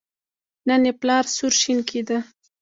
نن یې پلار سور شین کېده.